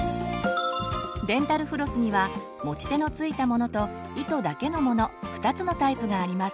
デンタルフロスには持ち手の付いたものと糸だけのもの２つのタイプがあります。